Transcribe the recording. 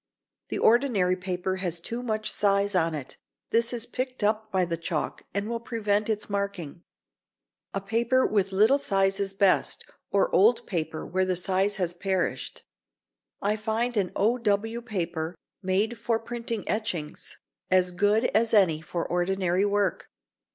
The ordinary paper has too much size on it. This is picked up by the chalk, and will prevent its marking. A paper with little size is best, or old paper where the size has perished. I find an O.W. paper, made for printing etchings, as good as any for ordinary work.